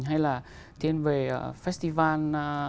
hay là thiên về festival